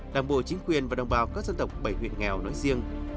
đảng bộ chính quyền và đồng bào các dân tộc bảy huyện nghèo nói riêng